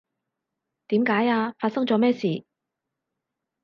點解呀？發生咗咩事？